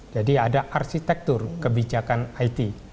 jadi ada arsitektur kebijakan it